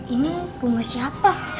ini bunga siapa